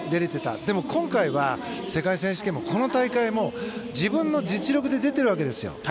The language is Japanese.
でも今回は世界選手権も、この大会も自分の実力で出ているわけですよ。